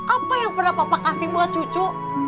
apa yang pernah bapak kasih buat cucu